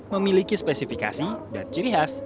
memiliki spesifikasi dan ciri khas